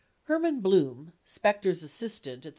Herman Bloom, Spector's assist ant at the Pa.